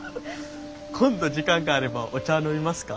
今度時間があればお茶飲みますか？